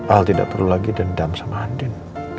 al tidak perlu lagi dendam sama andin